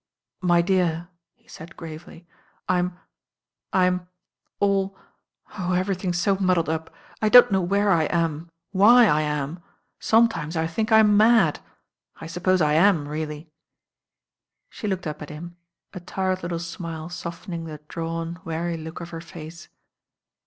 "My dear," he said gravely, "I'm— I'm— aU— oh, everything's so muddled up. I don't know v/here I am— why I am. Sometimes I think I'm mad— I «uppose I am really." She looked up at him, a tired little smile softening the drawn, weary look of her face.